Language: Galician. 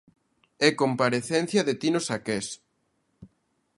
E comparecencia de Tino Saqués.